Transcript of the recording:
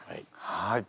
はい。